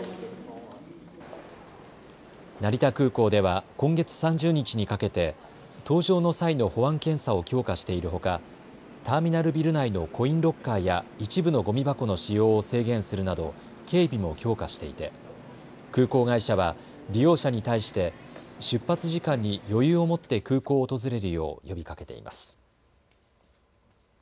成田空港では今月３０日にかけて搭乗の際の保安検査を強化しているほかターミナルビル内のコインロッカーや一部のごみ箱の使用を制限するなど警備も強化していて空港会社は利用者に対して出発時間に余裕を持って空港を訪れるよう呼びかけています。